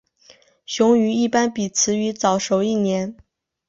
雄鱼一般比雌鱼早熟一年。